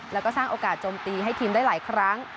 แล้วก็สร้างโอกาสโจมตีให้ทีมได้หลายครั้ง